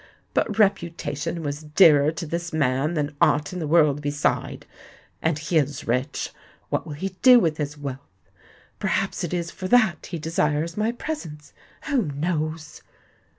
But reputation was dearer to this man than aught in the world beside! And he is rich:—what will he do with his wealth? Perhaps it is for that he desires my presence? Who knows?"